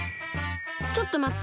ちょっとまって！